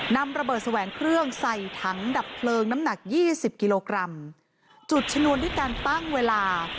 นำระเบิดแสวงเครื่องใส่ถังดับเพลิงน้ำหนักยี่สิบกิโลกรัมจุดชนวนด้วยการตั้งเวลา